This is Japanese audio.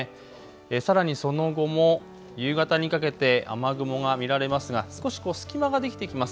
さらにその後も夕方にかけて雨雲は見られますが少し隙間ができてきます。